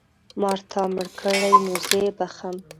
مار تا مړ کړی نو زه یې بښم.